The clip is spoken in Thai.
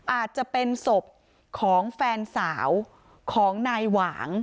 อาจจะเป็นศพของแฟนสาวของนายหวาง